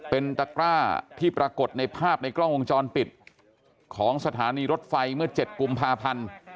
เป็นตะกร้าที่ปรากฏในภาพในกล้องวงจรปิดของสถานีรถไฟเมื่อ๗กุมภาพันธ์